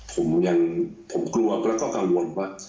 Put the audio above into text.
เพราะว่าผมกลัวแล้วก็กังวลว่า